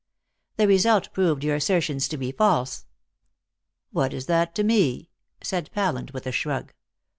"The result proved your assertions to be false." "What is that to me?" said Pallant with a shrug.